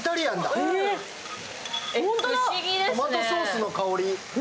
トマトソースの香り。